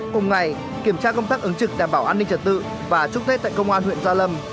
cùng ngày kiểm tra công tác ứng trực đảm bảo an ninh trật tự và chúc tết tại công an huyện gia lâm